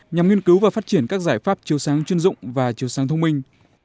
nhằm nghiên cứu và phát triển các giải pháp chiều sáng chuyên dụng và chiều sáng thông minh